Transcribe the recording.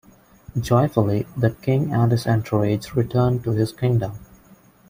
Joyfully, the king and his entourage return to his kingdom.